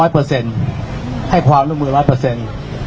ร้อยเปอร์เซ็นต์ให้ความร่วมมือร้อยเปอร์เซ็นต์